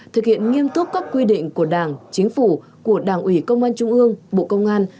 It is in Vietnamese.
thực hiện nghiêm túc các quy định của đảng chính phủ của đảng ủy công an trung ương bộ công an